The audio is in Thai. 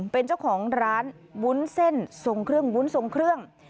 เป็นเจ้าของร้านวุ้นเส้นวุ้นสงเครื่อง